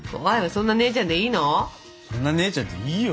そんな姉ちゃんでいいよ